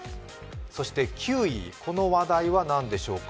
９位、この話題は何でしょうか。